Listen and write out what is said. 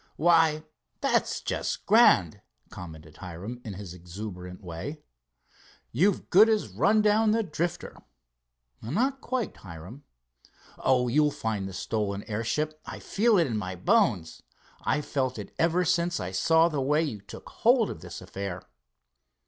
"Why, that's just grand," commented Hiram in his exuberant way. "You've good as run down the Drifter." "Not quite, Hiram." "Oh, you'll find the stolen airship. I feel it in my bones. I've felt it ever since I saw the way you took hold of this affair."